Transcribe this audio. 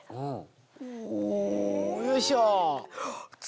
およいしょ。